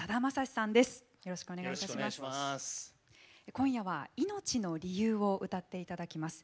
今夜は「いのちの理由」を歌っていただきます。